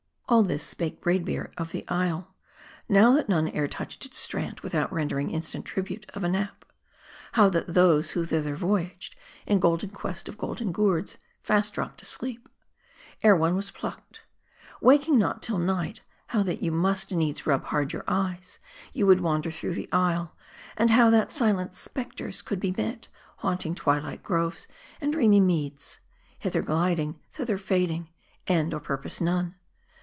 All this spake Braid Beard, of the isle. How that none ere touched its strand, without rendering instant tribute of a nap ; how that those who thither voyaged, in golden quest of golden gourds, fast dropped asleep, ere one was plucked ; waking not till night ; how that you must needs rub hard your eyes, would you wander through the isle ; and how that silent specters would be met, haunting twilight groves, and 308 M A R D I. dreamy meads ; hither gliding, thither fading, end or purpose none.